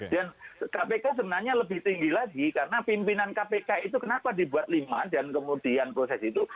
dan kpk sebenarnya lebih tinggi lagi karena pimpinan kpk itu kenapa dibuat lima dan kemudian proses itu